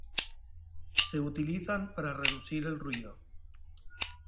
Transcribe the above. Se utilizan para reducir el ruido.